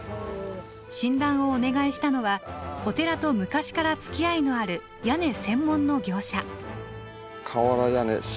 診断をお願いしたのはお寺と昔からつきあいのある屋根専門の業者。